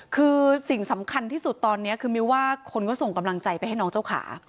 คือสิ่งสำคัญที่สุดตอนนี้คือมิวว่าคนก็ส่งกำลังใจไปให้น้องเจ้าขา